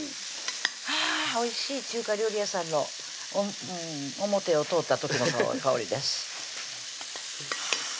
はぁおいしい中華料理屋さんの表を通った時の香りです